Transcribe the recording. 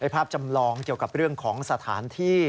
ภาพจำลองเกี่ยวกับเรื่องของสถานที่